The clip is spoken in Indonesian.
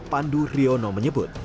pandu hryono menyebut